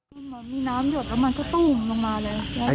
มีน้ำหยดแล้วมันก็ตุ้มลงมาเลย